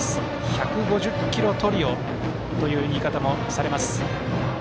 １５０キロトリオという言い方もされます。